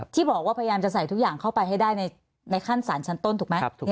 ที่บอกว่าพยายามจะใส่ทุกอย่างเข้าไปให้ได้ในขั้นสารชั้นต้นถูกไหม